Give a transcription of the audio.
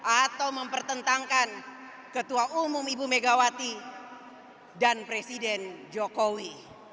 atau mempertentangkan ketua umum ibu megawati dan presiden jokowi